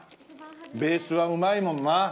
ベースはうまいもんな。